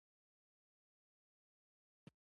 د هلمند په خانشین کې کوم کان دی؟